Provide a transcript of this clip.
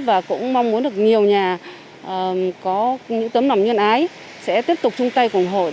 và cũng mong muốn được nhiều nhà có những tấm lòng nhân ái sẽ tiếp tục chung tay cùng hội